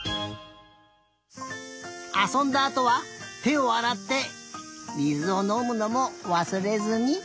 あそんだあとはてをあらってみずをのむのもわすれずに。